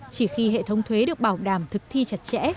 chỉ khi hệ thống thuế được bảo đảm thực thi chặt chẽ